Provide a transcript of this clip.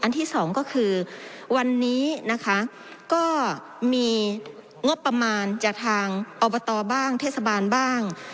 ที่สองก็คือวันนี้นะคะก็มีงบประมาณจากทางอบตบ้างเทศบาลบ้าง